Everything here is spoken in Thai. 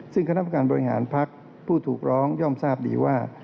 ซึ่งคณะประการบริหารพักผู้ถูกร้องย่อมทราบดีว่า